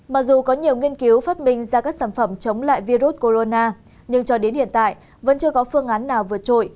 mặc dù có nhiều nghiên cứu phát minh ra các sản phẩm chống lại virus corona nhưng cho đến hiện tại vẫn chưa có phương án nào vượt trội